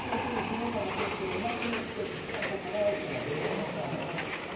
昨日から始まってお前の一番輝いてたのはどの時間なの？